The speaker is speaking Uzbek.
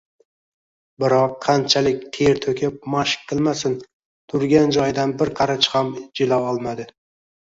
Biroq qanchalik ter to‘kib mashq qilmasin, turgan joyidan bir qarich ham jila olmadi.